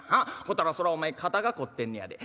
ほたら『そらお前肩が凝ってんねやで。